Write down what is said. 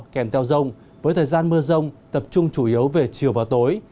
kèm theo rông với thời gian mưa rông tập trung chủ yếu về chiều và tối